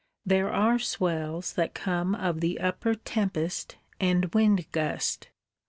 There are swells that come of upper tempest and wind gust.